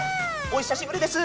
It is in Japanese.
おひさしぶりです！